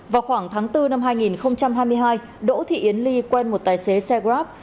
vào khoảng tháng bốn năm hai nghìn hai mươi hai đỗ thị yến ly quen một tài xế xe grab